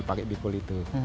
pakai bikul itu